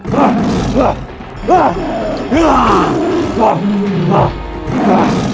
jangan lupa untuk melakukannya